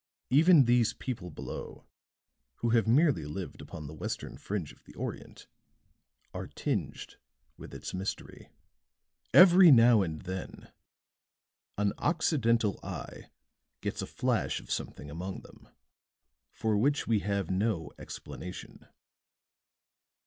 "Even these people below, who have merely lived upon the western fringe of the Orient, are tinged with its mystery. Every now and then an Occidental eye gets a flash of something among them for which we have no explanation."